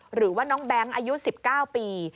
หรือว่าน้องแบงค์อายุ๑๙ปี